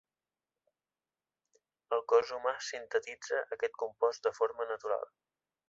El cos humà sintetitza aquest compost de forma natural.